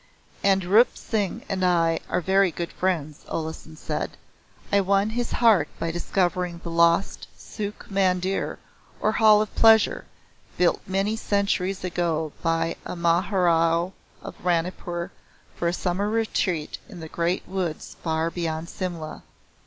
"And Rup Singh and I are very good friends," Olesen said; "I won his heart by discovering the lost Sukh Mandir, or Hall of Pleasure, built many centuries ago by a Maharao of Ranipur for a summer retreat in the great woods far beyond Simla.